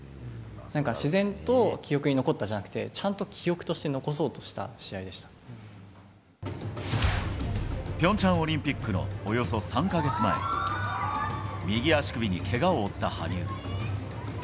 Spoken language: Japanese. なんか自然と記憶に残ったじゃなくて、ちゃんと記憶として残そうピョンチャンオリンピックのおよそ３か月前、右足首にけがを負った羽生。